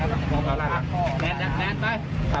หลังมา